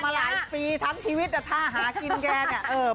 ทำมาหลายปีทั้งชีวิตจะท่าหากินแกน